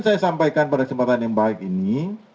saya sampaikan pada kesempatan yang baik ini